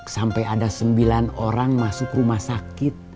sampai ada sembilan orang masuk rumah sakit